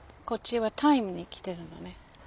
こっちはタイムに来てるのね。